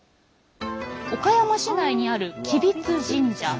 岡山市内にある吉備津神社。